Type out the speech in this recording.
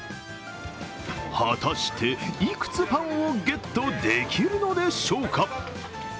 果たしていくつパンをゲットできるのでしょうか。